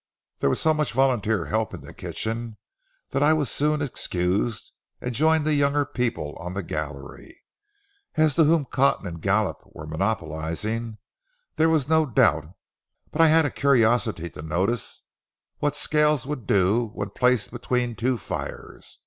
There was so much volunteer help in the kitchen that I was soon excused, and joined the younger people on the gallery. As to whom Cotton and Gallup were monopolizing there was no doubt, but I had a curiosity to notice what Scales would do when placed between two fires.